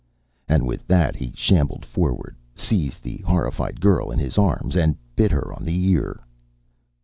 And with that, he shambled forward, seized the horrified girl in his arms, and bit her on the ear.